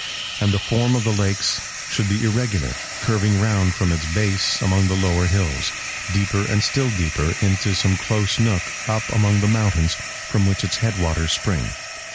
And the form of the lakes should be irregular, curving round from its base among the lower hills, deeper and still deeper into some close nook up among the mountains from which its head waters spring.